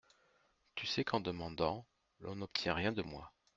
Tu sais qu’en demandant L’on n’obtient rien de moi.